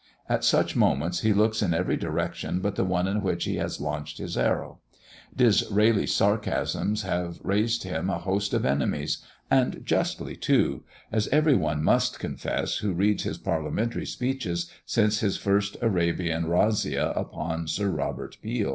At such moments, he looks in every direction but the one in which he has launched his arrow. Disraeli's sarcasms have raised him a host of enemies, and justly too, as every one must confess, who reads his Parliamentary speeches since his first Arabian razzia upon Sir Robert Peel.